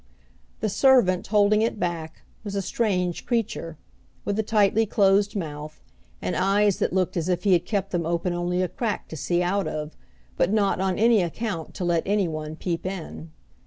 The servant, holding it back, was a strange creature, with a tightly closed mouth, and eyes that looked as if he kept them open only a crack to see out of, but not on any account to let any one peep in.